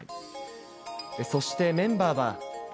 そして、メンバーは。